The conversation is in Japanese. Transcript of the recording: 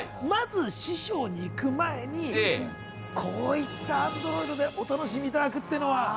まず師匠にいく前にこういったアンドロイドでお楽しみいただくってのは。